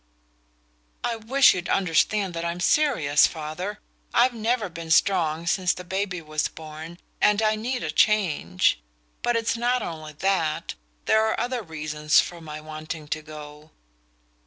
"I wish you'd understand that I'm serious, father. I've never been strong since the baby was born, and I need a change. But it's not only that: there are other reasons for my wanting to go."